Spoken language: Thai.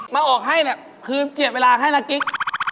มาออกให้แบบคือเจียบเวลาให้ค่ะยากิ๊ก